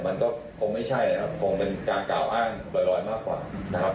มันก็คงไม่ใช่นะครับคงเป็นการกล่าวอ้างลอยมากกว่านะครับ